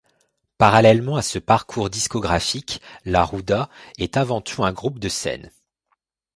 Parallèlement à ce parcours discographique, La Ruda est avant tout un groupe de scène.